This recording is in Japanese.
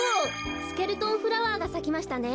スケルトンフラワーがさきましたね。